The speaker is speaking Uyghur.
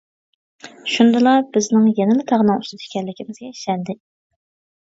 شۇندىلا بىزنىڭ يەنىلا تاغنىڭ ئۈستىدە ئىكەنلىكىمىزگە ئىشەندىم.